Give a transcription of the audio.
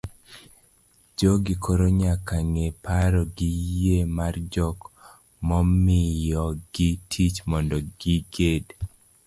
jogi koro nyaka ng'e paro gi yie mar jok momiyogi tich mondo gindik